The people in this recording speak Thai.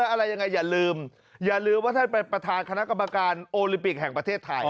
อะไรยังไงอย่าลืมอย่าลืมว่าท่านเป็นประธานคณะกรรมการโอลิมปิกแห่งประเทศไทย